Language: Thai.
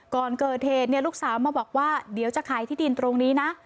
ก่อนเกิดเหตุลูกสาวมาบอกว่าเดี๋ยวจะขายที่ดินตรงนี้นะ